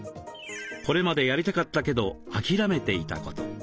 これまでやりたかったけどあきらめていたこと。